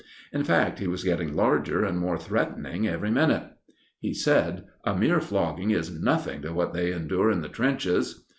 In fact, he was getting larger and more threatening every minute. He said: "A mere flogging is nothing to what they endure in the trenches."